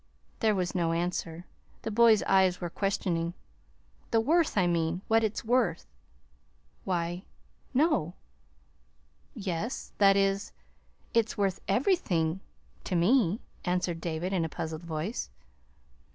There was no answer. The boy's eyes were questioning. "The worth, I mean, what it's worth." "Why, no yes that is, it's worth everything to me," answered David, in a puzzled voice.